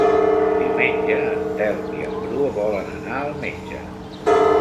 Diumenge en Telm i en Bru volen anar al metge.